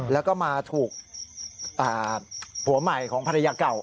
แล้วก็มาถูกผัวใหม่ของภรรยาเก่า